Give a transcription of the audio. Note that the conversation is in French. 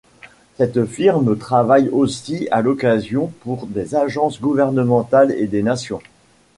Cette firme travaille aussi à l'occasion pour des agences gouvernementales et des nations.